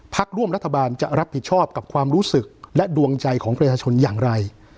พักร่วมรัฐบาลจะรับผิดชอบกับความรู้สึกและดวงใจของประชาชนอย่างไร